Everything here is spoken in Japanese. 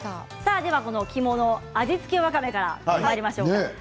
肝の味付けわかめからいきましょう。